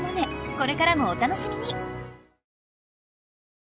これからもお楽しみに！